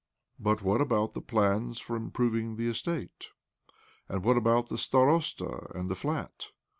" But what about the plans for improving the estate? Arid what about the starosta and the flat?